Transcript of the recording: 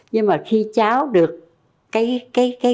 nhưng mà khi cháu được cái quà